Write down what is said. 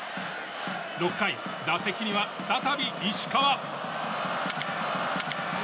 ６回、打席には再び石川。